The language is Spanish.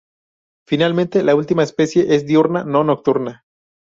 Finalmente, la última especie es diurna, no nocturna.